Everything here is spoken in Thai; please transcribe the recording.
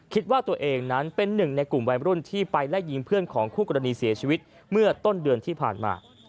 คิดว่าตัวเองนั้นเป็นหนึ่งในกลุ่มวัยรุ่นที่ไปไล่ยิงเพื่อนของคู่กรณีเสียชีวิตเมื่อต้นเดือนที่ผ่านมา